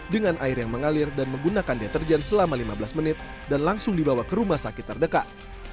dengan air yang mengalir dan menggunakan deterjen selama lima belas menit dan langsung dibawa ke rumah sakit terdekat